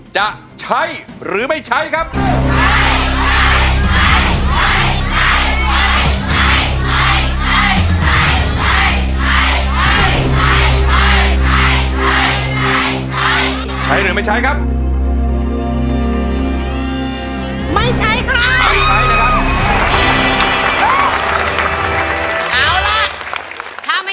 จะใช้หรือไม่ใช้ครับ